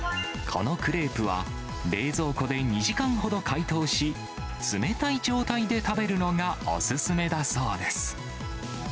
このクレープは、冷蔵庫で２時間ほど解凍し、冷たい状態で食べるのがお勧めだそうです。